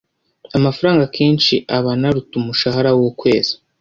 amafaranga akenshi aba anaruta umushahara w’ukwezi